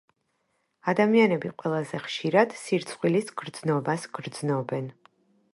ადამიანები ყველაზე ხშირად სირცხვილის გრძნობას გრძნობენ